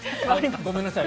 ごめんなさい。